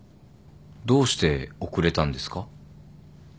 どうして遅れたんですか？